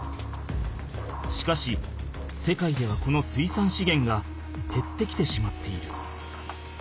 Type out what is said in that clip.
しかし世界ではこの水産資源がへってきてしまっている。